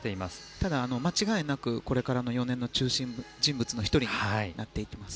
ただ、間違いなくこれからの４年の中心人物の１人になっていきます。